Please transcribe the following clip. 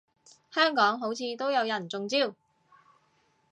香港好似都有人中招